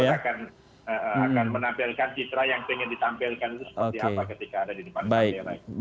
di mana kita akan menampilkan citra yang ingin ditampilkan seperti apa ketika ada di depan kami